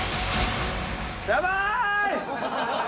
やばーい！